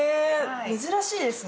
珍しいですね。